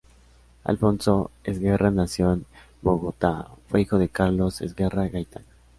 Alfonso Esguerra nació en Bogotá fue hijo de Carlos Esguerra Gaitán.